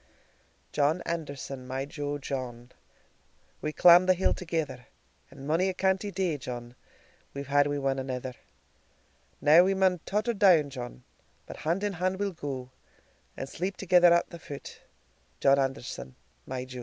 John Anderson, my jo John, We clamb the hill thegither, And monie a canty day, John, We've had wi' ane anither; Now we maun totter down, John, But hand in hand we'll go, And sleep thegither at the foot, John Anderson, my jo.